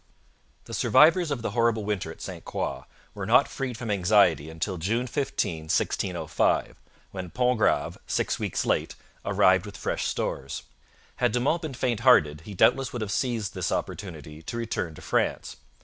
The survivors of the horrible winter at St Croix were not freed from anxiety until June 15, 1605, when Pontgrave, six weeks late, arrived with fresh stores. Had De Monts been faint hearted, he doubtless would have seized this opportunity to return to France.